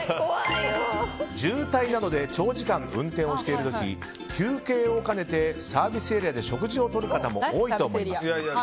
渋滞などで長時間運転している時休憩を兼ねてサービスエリアで食事をとる方も多いと思います。